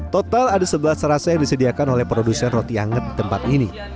total ada sebelas rasa yang disediakan oleh produsen roti anget di tempat ini